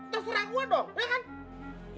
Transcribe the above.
tuh serah gue dong